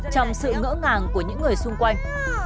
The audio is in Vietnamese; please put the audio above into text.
trong sự ngỡ ngàng của những người xung quanh